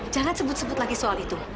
jangan sebut sebut lagi soal itu